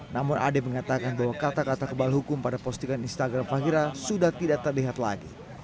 namun ade mengatakan bahwa kata kata kebal hukum pada postingan instagram fahira sudah tidak terlihat lagi